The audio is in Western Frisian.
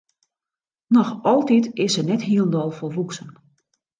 Noch altyd is se net hielendal folwoeksen.